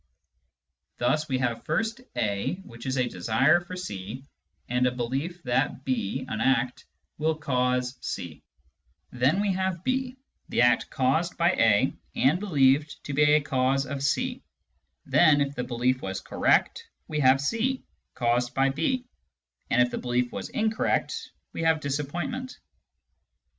Thus we have first A, which is a desire for C and a belief that B (an act) will cause C ; then we have B, the act caused by A, and believed to be a cause of C ; then, if the belief was correct, we have C, caused by B, and if the belief was incorrect we have disappointment.